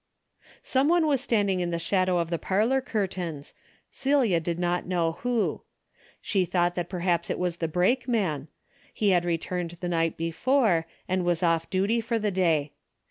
Some one was standing in the shadow of the parlor curtains, Celia did not know who. She thought that perhaps it was the brakeman. He had returned the night before, and was off duty for the day.